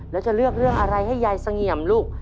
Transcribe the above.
แล้วจะเลือกเรื่องอะไรให้ยายเสงี่ยมลูก